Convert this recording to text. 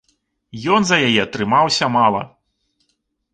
Ён за яе трымаўся мала.